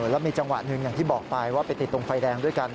แล้วมีจังหวะหนึ่งอย่างที่บอกไปว่าไปติดตรงไฟแดงด้วยกัน